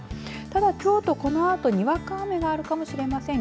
ただ京都、このあとにわか雨があるかもしれません。